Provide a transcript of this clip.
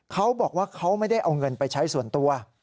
เขาบอกว่าเขาไม่ได้เอาเงินไปใช้ส่วนตัว